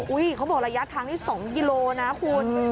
อุ๊ยเขาบอกระยะทางที่๒กิโลน่ะครับคุณ